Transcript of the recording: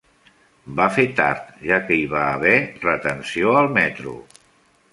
Va fer tard, ja que hi va haver retenció al metro.